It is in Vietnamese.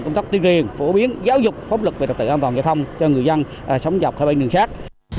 còn trên đường nguyễn sinh sắt